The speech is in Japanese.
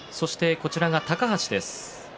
こちらが高橋です。